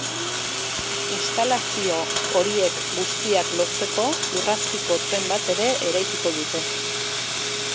Instalazio horiek guztiak lotzeko lurrazpiko tren bat ere eraikiko dute.